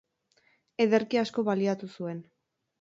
Ederki asko baliatu zuen.